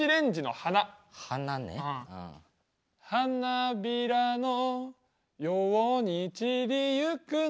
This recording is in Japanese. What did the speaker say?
「花びらのように散りゆく中で」